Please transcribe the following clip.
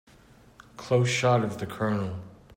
Close shot of the COLONEL.